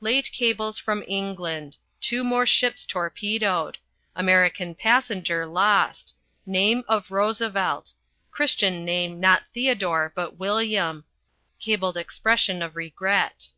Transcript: Late cables from England. Two more ships torpedoed. American passenger lost. Name of Roosevelt. Christian name not Theodore but William. Cabled expression of regret.